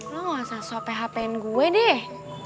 lo gak usah sope hapen gue deh